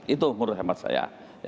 itu menurut hemat saya